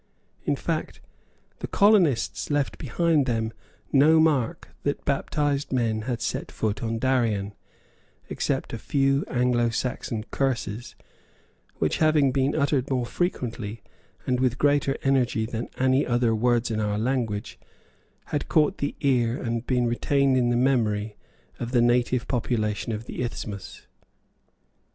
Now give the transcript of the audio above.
In fact, the colonists left behind them no mark that baptized men had set foot on Darien, except a few Anglo Saxon curses, which, having been uttered more frequently and with greater energy than any other words in our language, had caught the ear and been retained in the memory of the native population of the isthmus.